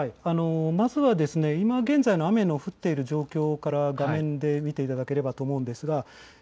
まずは今現在の雨の降っている状況から画面で見ていただければと思います。